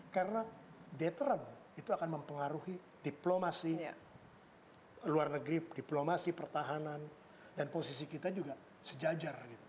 karena datram itu akan mempengaruhi diplomasi luar negeri diplomasi pertahanan dan posisi kita juga sejajar